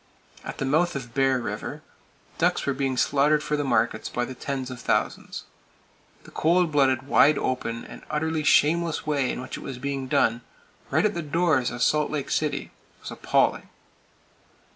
At the mouth of Bear River, ducks were being slaughtered for the markets by the tens of thousands. The cold blooded, wide open and utterly shameless way in which it was being done, right at the doors of Salt Lake City, was appalling.